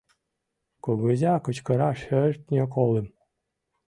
Кугыза кычкыра шӧртньӧ колым;